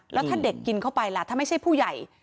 แล้วถ้าเด็กกินเข้าไปล่ะถ้าไม่ใช่ผู้ใหญ่